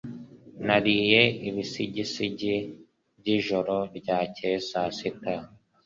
Nariye ibisigisigi by'ijoro ryakeye saa sita.